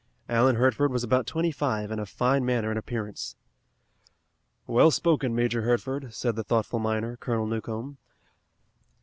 Alan Hertford was about twenty five and of fine manner and appearance. "Well spoken, Major Hertford," said the thoughtful miner, Colonel Newcomb.